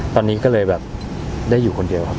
ตอนนี้ก็เลยแบบได้อยู่คนเดียวครับ